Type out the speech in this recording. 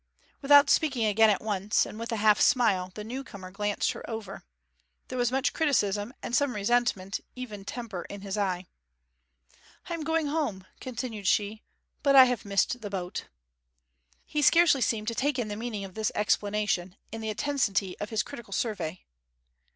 Without speaking again at once, and with a half smile, the newcomer glanced her over. There was much criticism, and some resentment even temper in his eye. 'I am going home,' continued she. 'But I have missed the boat.' He scarcely seemed to take in the meaning of this explanation, in the intensity of his critical survey.